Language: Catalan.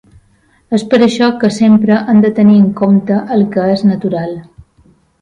És per això que sempre hem de tenir en compte el que és natural.